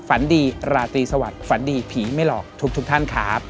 ฝันดีราตรีสวัสดิฝันดีผีไม่หลอกทุกท่านครับ